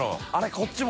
こっちも？